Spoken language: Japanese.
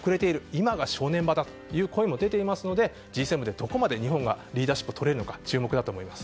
今が正念場だという声も出ていますのでＧ７でどこまで日本がリーダーシップをとれるか注目だと思います。